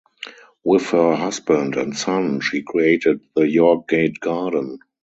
With her husband and son she created the York Gate Garden.